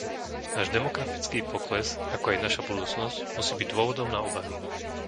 Náš demografický pokles, ako aj naša budúcnosť, musí byť dôvodom na obavy.